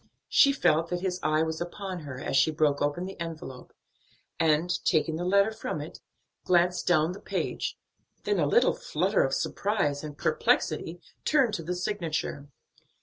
She felt that his eye was upon her as she broke open the envelope and, taking the letter from it, glanced down the page, then in a little flutter of surprise and perplexity turned to the signature.